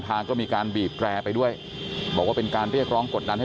ทางก็มีการบีบแรร์ไปด้วยบอกว่าเป็นการเรียกร้องกดดันให้